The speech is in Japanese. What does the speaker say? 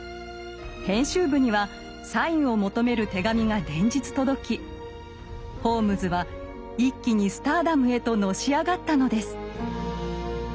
編集部にはサインを求める手紙が連日届きホームズは一気にスターダムへとのし上がったのです。